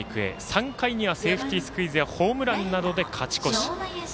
３回にはセーフティースクイズでホームランなどで勝ち越し。